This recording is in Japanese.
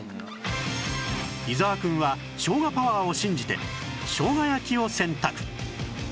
伊沢くんはしょうがパワーを信じてしょうが焼きを選択